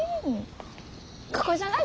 ここじゃない？